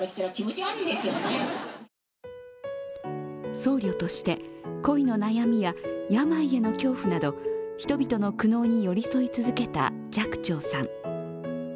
僧侶として恋の悩みや病への恐怖など人々の苦悩に寄り添い続けた寂聴さん。